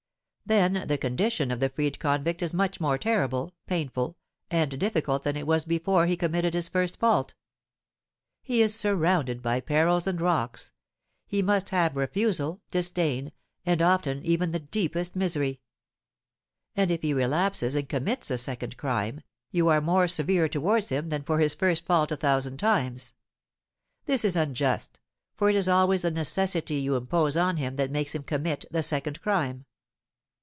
Then the condition of the freed convict is much more terrible, painful, and difficult than it was before he committed his first fault. He is surrounded by perils and rocks, he must have refusal, disdain, and often even the deepest misery. And if he relapses and commits a second crime, you are more severe towards him than for his first fault a thousand times. This is unjust, for it is always the necessity you impose on him that makes him commit the second crime.